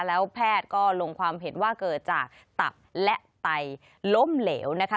แล้วแพทย์ก็ลงความเห็นว่าเกิดจากตับและไตล้มเหลวนะคะ